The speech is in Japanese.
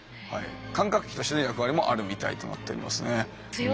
感覚器としての役割もあるみたいとなっておりますね。